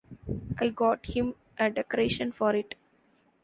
I got him a decoration for it.